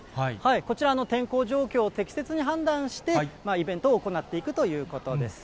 こちら、天候状況を適切に判断して、イベントを行っていくということです。